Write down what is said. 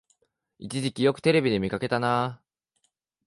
一時期よくテレビで見かけたなあ